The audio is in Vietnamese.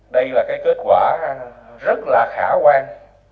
đây là cái kết quả rất là khả quan